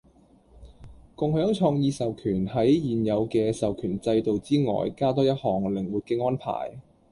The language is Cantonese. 共享創意授權喺現有嘅授權制度之外加多一項靈活嘅安排